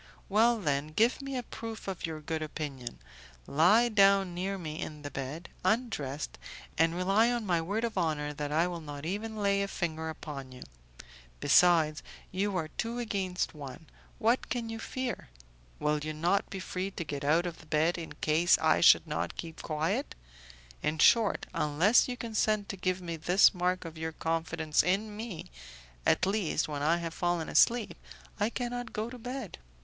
"Well, then, give me a proof of your good opinion; lie down near me in the bed, undressed, and rely on my word of honour that I will not even lay a finger upon you. Besides, you are two against one, what can you fear? Will you not be free to get out of the bed in case I should not keep quiet? In short, unless you consent to give me this mark of your confidence in me, at least when I have fallen asleep, I cannot go to bed."